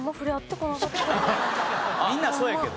みんなそうやけど。